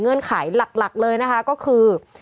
ไขหลักเลยนะคะก็คือ